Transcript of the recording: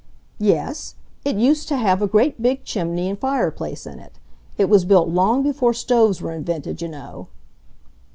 "Yes, it used to have a great big chimney and fireplace in it. It was built long before stoves were invented, you know."